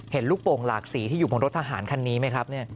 เห็นลูกโป่งหลากสีที่อยู่บนรถทหารคันนี้ไหมครับ